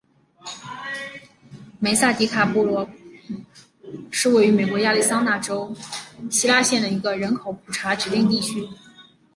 梅萨迪卡布洛是位于美国亚利桑那州希拉县的一个人口普查指定地区。